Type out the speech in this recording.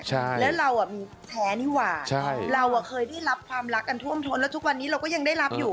ใช่แล้วเราอ่ะมีแท้นี่หว่าใช่เราอ่ะเคยได้รับความรักกันท่วมทนแล้วทุกวันนี้เราก็ยังได้รับอยู่